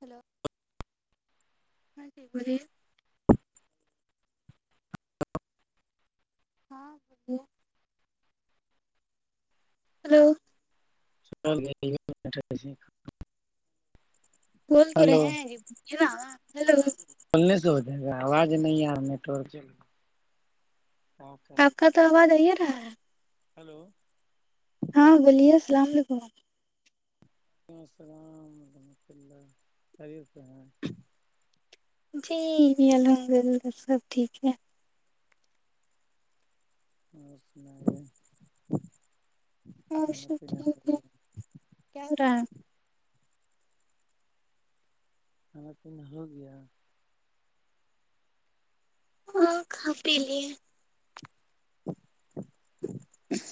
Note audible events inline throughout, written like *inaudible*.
hello ہاں جی بولیے ہاں بولبے ہیلو بی *inaudible* بول تو رہے ہیں کیا ہیلو کلنے سے ہو جائے گا آواز نہیں آرہی تھوڑی سی کتا ہوا نہیں ہے نہ ہیلو ہاں بولیے السلام علیکم السلام رحمۃ اللہ خیریت سے ہیں جی جی الحمد للہ سب ٹھیک ہے اور سنائے اچھا ٹھیک ہے کہہ رہا ہیں کھانا پینا ہوگیا ہاں کھا پی لیے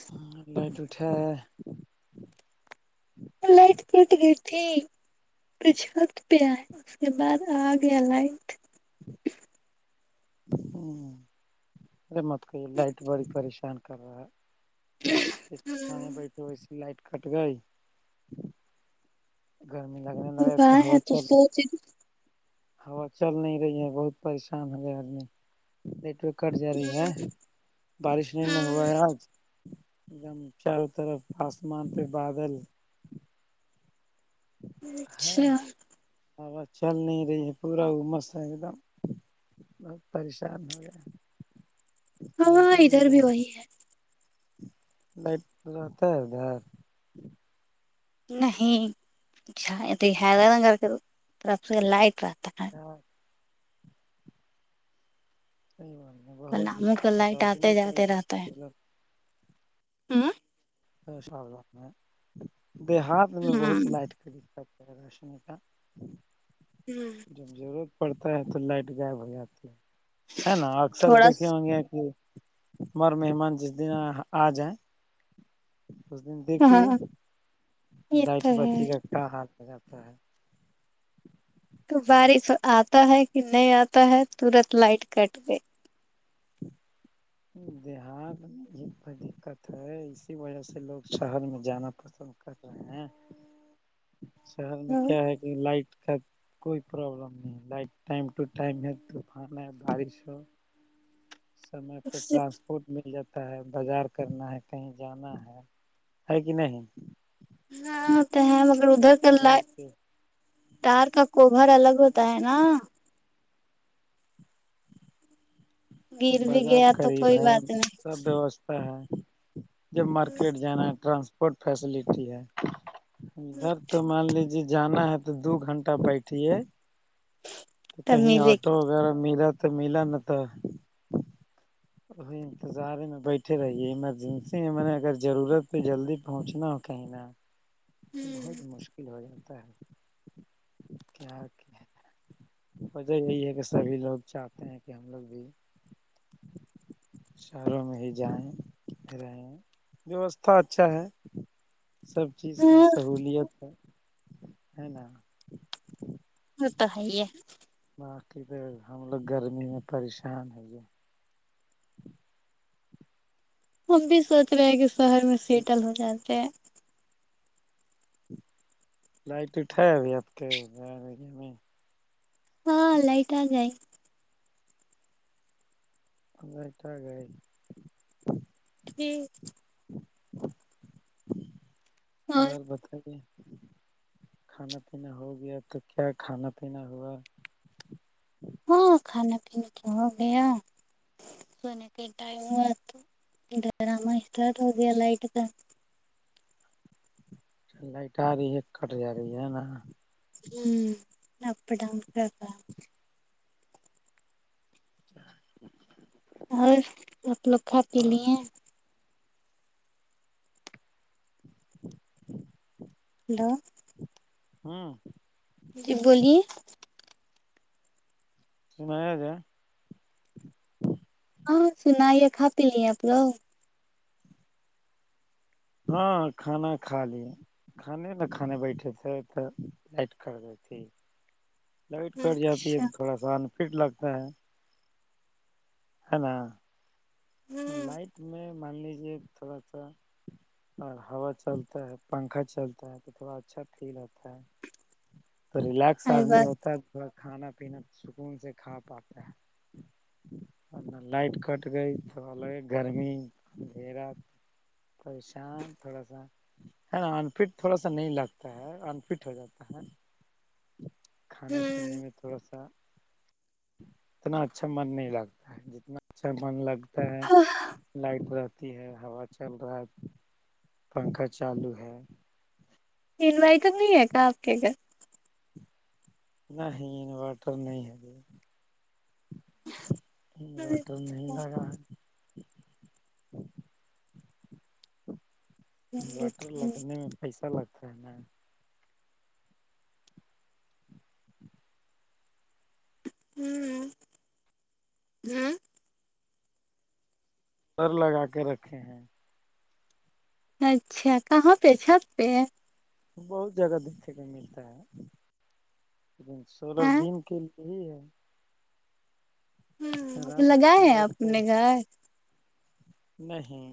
ہاں لیٹ اٹھے ہے وہ لائٹ کٹ گئی تھے پہ چھت پہ آںی اس کے بعد آگیا یا لائٹ ارے مت کرئیے لائٹ بڑی پریشان کر رہا ہے کھانے بیٹھو اس لائٹ کٹ گئی گرمی لگنے لگے تو گائے ہے ہوا چل سوچ ہوا چل نہیں رہی ہے بہت پریشان ہو رہے آدمی نٹک ورک کٹ جا رہی ہے بارش نہیں نہ ہوا ہمم ہے آج ایک دم چاروں طرف آسمان پہ بادل ہے اچھا ہوا چل نہیں رہی ہے پورا عمر سے ایک دم بہت پریشان ہو گیا ہاں لائٹ ہاں نہیں ادھر بھی رہتا وہی ہے لائٹ رہتا ہے ادھر نہیں ات ح ک ر کےرف سے لائٹ رہتا *unintelligible* ہاں نہیں بہت پلاموں دیکت کا ہے لائٹ آتے روشنی کا جاتے چاہے مطلب امم ما شاء اللہ بہار میں بہت لائٹ پدشن کا امم جب ضرورت پڑتا ہے تو لائٹ غائب ہو جاتی ہے ہے نا اکثر تھوڑا دیکھے ہوں گے کہ ہمارا مہمان جس دن آ جائیں اس دن دیکھیے ہاں یہ لائٹ تو ہے بتی کا کیا ہاتھ پہ جاتا ہے تو بارش آتا ہے کہ نہیں آتا ہے ترنت لائٹ کٹ گئی بہار میں ایک دقت ہے اسی وجہ سے لوگ شہر میں جانا پسند کررہے ہے شہر میں کیا ہے کہ لائٹ کا کوئی پرابلم نہیں ٹایم ٹو ٹائم کھانا ہے بارش ہو سر میں پھر ٹرانس فوڈ مل جاتا ہے بازار کرنا ہے کہیں جانا ہے ہے کہ نہیں ہاں تو ہے مگر ادھر کا بازار لائٹ کے تار کا کوبھر الگ ہوتا ہے نا گر بھی بازار گیا تو قریب کوئی ہے بات نہیں سب دوست ہے جب مارکیٹ جانا ہے ٹرانسپ فوڈ فیسلٹی ہے تب تو مان لیجے جانا ہے تو دو گھنٹہ بیٹھیے تب کہیں ملے آٹو گی وغیرہ ملا تو ملا نا تھا انتظار میں بیٹھے رہیے ایمرجنسی میں میں نے اگر ضرورت پے جلدی پہنچنا ہو کہیں نہ تو بہت مشکل ہو جاتا ہے کیا کہ وجہ یہی ہے کہ سبھی لوگ چاہتے ہیں کہ ہم لوگ بھی شہروں میں ہی جائیں رہیں ووستھا اچھا ہے سب چیز کی ہاں سہولیت ہے ہے نا ہوتا ہے یہ باقی بھاںی ہم لوگ گرمی میں پریشان ہیں یہ ہم بھی سوچ رہے ہیں کہ شہر میں سیٹل ہو جاتے ہیں لائٹ اٹھا ہے ابھی آپ کے بارے میں ہاں لائٹ آگںی بیٹا گئے تھی اور بتاو کچھ کھانا پینا ہو گیا تو کیا کھانا پینا ہوا ہاں کھانا پینے تو ہو گیا سونے کا ٹائم ہوا ڈراما ہو گیا لائٹ بند لائٹ آ رہی ہے کٹ جا رہی ہے نا ہوں اپ *unintelligible* ڈ ہم کر اور آپ لوگ کھا پی اور لیے ہیلو امم جی بولیے میں گے ہاں سنائیے کھا پی لیے آپ لوگ ہاں کھانا کھا لیا کھانے کھانے بیٹھے تھے تو لائٹ کٹ گئی تھی لائٹ کٹ جاتی ہے اچھا تو تھوڑا سا انفٹ لگتا ہے ہے نا لائٹ میں مان لیجیے تھوڑا سا اور ہوا چلتا ہے پنکھا چلتا ہے تو تھوڑا اچھا فیل ہوتا ہے تو ریلیکس ارے آدمی بس ہوتا ہے وہ کھانا پینا سکون سے کھا پاتا ہے لائٹ کٹ گئی تو یہ گرمی یہ رات پریشان تھوڑا سا ا انفٹ تھوڑا سا نہیں لگتا ہے انفٹ ہو جاتا ہے کھانے پینے میں تھوڑا سا اتنا اچھا من نہیں لگتا ہے جتنا اچھا من لگتا ہے لائٹ رہتی ہے ہوا چل رہا پنکھا چالو ہے انوائٹر نہیں ہے کیا آپ کے گھر نہیں انورٹر نہیں ہے تو نہیں لگا انورٹر لگنے میں پیسہ لگتا ہے نا ہوں ہوں پر لگا کے رکھے ہیں اچھا کہاں پہ چھت پہ بہت جگہ دیکھنے کو ملتا ہے سولہ ہے دن کے لیے ہی ہے ہوں رات لگائے ہیں لائٹ کا اپنے گھر نہیں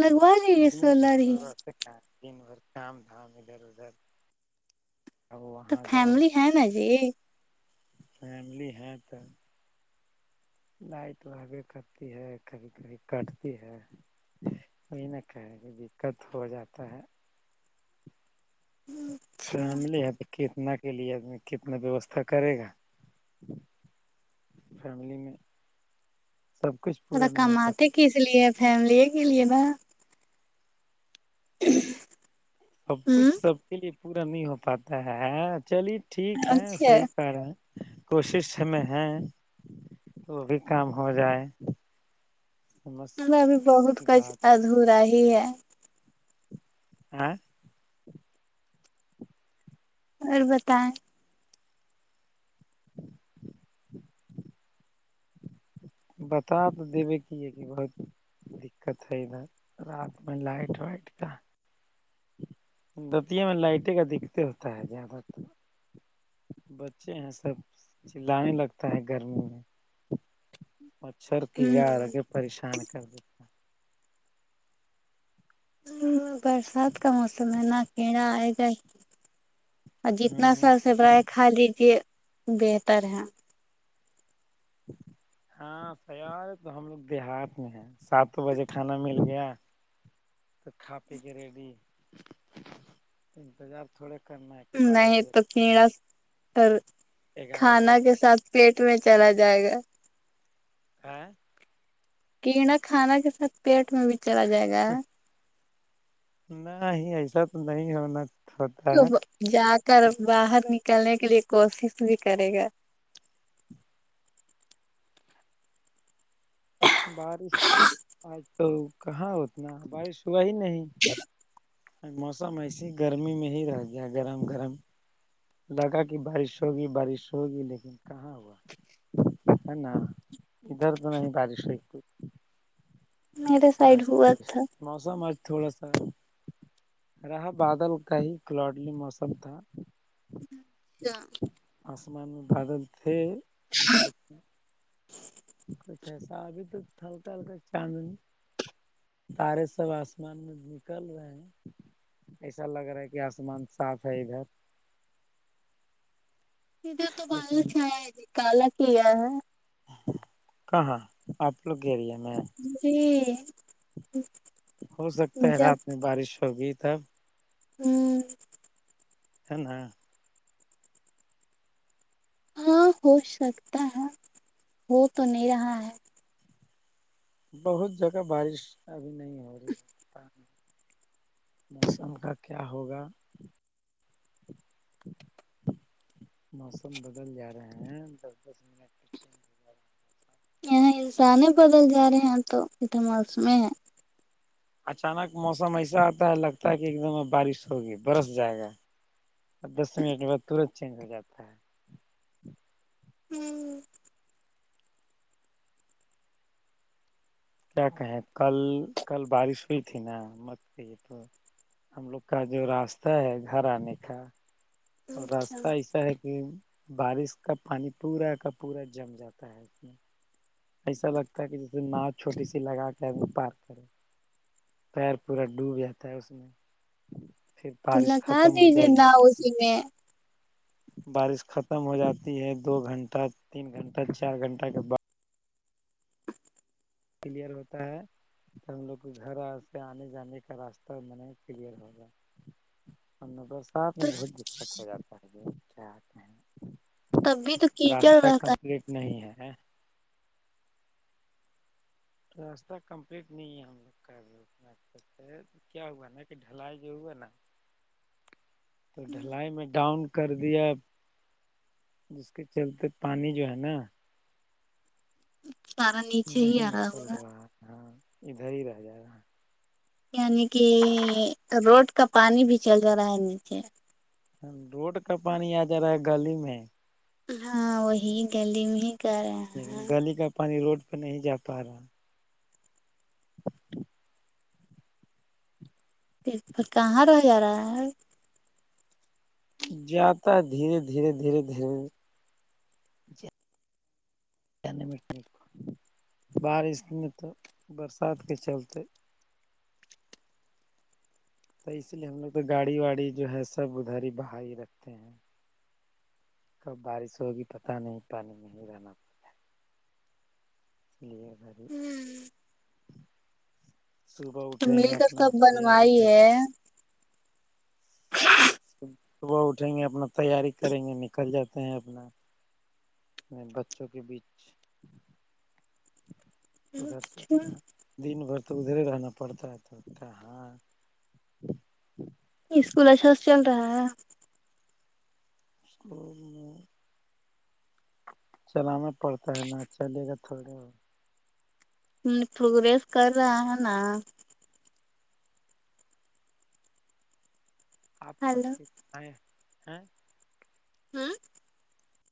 لگ وا دن بھر رہتے کیا دن بھر کام دھام ادھر ادھر اب تو وہاں جاؤ فیملی ہے نا جی یہ فیملی ہے تو لائف تو آگے کٹتی ہے کبھی کبھی کاٹتی ہے وہی نہ کہے دقت ہو جاتا ہے اچھا فیملی ہے تو کتنا کے لیے کتنا ویوستھا کرے گا فیملی میں سب کچھ پا پورا نہیں ہو کماتے پاتا کس لیے ہے فیملی کے لیے نہ *inaudible* سب کچھ ہوں سب کے لیے پورا نہیں ہو پاتا ہے چلیے ٹھیک ہے اچھا صحیح کہہ رہے ہے کوشش ہمیں ہے وہ بھی کام ہو جائے سمجھ ہم *unintelligible* ا بھی بہت کی کچھ بات ادھورا ہی ہے ہاں اور بتائیں بتا تو دیے کی یہ کہ بہت دقت ہے ادھر رات میں لائٹ وائٹ کا بتیاں میں لائٹیں کا دکھتے ہوتا ہے زیادہ تو بچے ہیں سب چلانے لگتا ہے گرمی میں مچھر ہوں کیڑا الگے پریشان کردیتے ہے برسات کا موسم ہے نا کیڑا آئے گا ہی اور دیتے جتنا ہوں سر برائے کھا لیجیے بہتر ہے ہاں اب قیاس ہم دیہات میں ہیں ساتھو بجے کھانا مل گیا تو کھا پی کے ریڈی انتظار تھوڑے کرنا ہے کہ بارہ نہیں بجے تو کیڑا گیارہ بجے پلیٹ میں چلا جائے گا ہاں کہ یہ نا کھانا کے ساتھ پیٹ میں بھی چلا جائے گا نہ ہی ایسا تو نہیں ہونا ہوتا تو ہے جا کر باہر نکلنے کے لیے کوشش بھی کرے گا بارش اج تو کہاں اتنا بارش ہوا ہی نہیں موسم ایسے ہی گرمی میں ہی رہ گیا گرم گرم لگا کہ بارش ہوگی بارش ہوگی لیکن کہاں ہوا ہے ن ادھر تو نہیں بارش ہوی میرے سائڈ اج ہوا تج تھا موسم اج تھوڑا سا رہا بادل کا ہی کلاڈلی موسم تھا جا اسمان میں بادل تھے کچھ ایسا ابھی تو ہلکا ہلکا چاند ہیں تارے سب آسمان میں نکل رہے ہیں ایسا لگ رہا ہے کہ آسمان صاف ہے ادھر سیددے تو بال لیکن چھ ہے کالا کیا ہے کہاں آپ لوگرییا میں جی ہو سکتا ہے جب رات میں بارش ہوگی تب ہوں ہے نا ہاں ہو سکتا ہے ہو تو نہیں رہا ہے بہت جگہ بارش ابھی نہیں ہو رہی ہے پانی موسم کا کیا ہوگا موسم بدل جا رہا ہیں دس دس منٹ کچھ یہاں انسانے بدل جا رہے ہیں تو اٹامالس میں ہے اچانک موسم ایسا آتا ہے لگتا ہے کہ ایک دم بارش ہوگی برس جائے گا اور دس منٹ کے بعد ترت چینج ہو جاتا ہے ہوں کیا کہیں کل کل بارش ہوئی تھی نا مت پئی یہ تو ہم لوگ کا جو راستہ ہے گھر آنے کا اور اچھا راستہ ایسا ہے کہ بارش کا پانی پورا کا پورا جم جاتا ہے اس میں ایسا لگتا ہے کہ جیسے ناؤ چھوٹی سی لگا کر پار کرے پیر پورا ڈوب جاتا ہے اس میں پھر تو بارش لگا ختم ہو دیجیے جائےگی نا اسی میں بارش ختم ہو جاتی ہے دو گھنٹہ تین گھنٹہ چار گھنٹہ کے بعد کلیئر ہوتا ہے تو ہم لوگ کو گھر آستے آنے جانے کا راستہ منے کلیئر ہوگا ہمنہ برسات تو میں بہت دقت ہو جاتا ہے ج کیا آتے ہیں تب بھی تو کیچڑ راستہ رہتا کمپلیٹ نہیں ہے راستہ کمپلیٹ نہیں ہے ہم لوگ کا ابھی *unintelligible* کیا ہوا نا کہ ڈھلائی جو ہوا نا تو ہے ڈھلائی میں ڈاؤن کر دیا ہے جس کے چلتے پانی جو ہے نا سارا نیچے ہی نہیں آ رہا نکل ہوگا رہا تھا ادھر ہی رہ جائے گا یعنی کہ روڈ کا پانی بھی چل جا رہا ہے نیچے روڈ کا پانی آ جا رہا ہے گلی میں ہاں وہی گلی میں کر رہے لیکن ہیں گلی کا پانی روڈ پہ نہیں جا پا رہا کس کہاں رہ جا رہا ہے جاتا ہے دھیرے دھیرے دھیرے دھیرے بارش میں تو برسات کے چلتے تو اس لیے ہم لوگ تو گاڑی واڑی جو ہے سب ادھر ہی باہر ہی رکھتے ہیں کب بارش ہوگی پتہ نہیں پانی میں ہی رہنا پڑتا *unintelligible* صبح تو اٹھیں مل گے کر اپنا سب تیاری کریں بنوائیے صبح اٹھیں گے اپنا تیاری کریں گے نکل جاتے ہیں اپنا میں بچوں کے بیچ ادھر سے نا دن بھر تو ادھر ہی رہنا پڑتا ہے تو ہاں اسکول اچھا سا چل رہا ہے اسکول میں چلانا پڑتا ہے نا چلے گا تھوڑی وہ پروگریس کر رہا ہے نا آپ سب ہلو کچھ آئیں ہیں ہوں